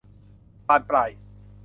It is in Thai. บานปลาย